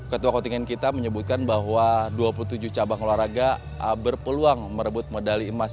ketua kontingen kita menyebutkan bahwa dua puluh tujuh cabang olahraga berpeluang merebut medali emas